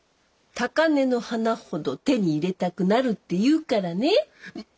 高根の花ほど手に入れたくなるって言うからね。